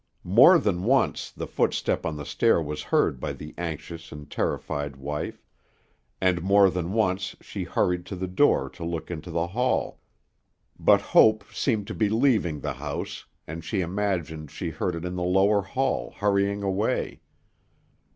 More than once the footstep on the stair was heard by the anxious and terrified wife, and more than once she hurried to the door to look into the hall; but hope seemed to be leaving the house, and she imagined she heard it in the lower hall, hurrying away.